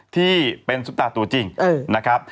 ที่เป็นซุปตาตัวจริงนะครับ